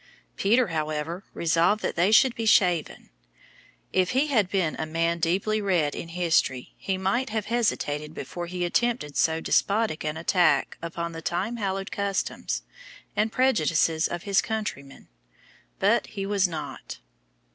Peter, however, resolved that they should be shaven. If he had been a man deeply read in history, he might have hesitated before he attempted so despotic an attack upon the time hallowed customs and prejudices of his countrymen; but he was not.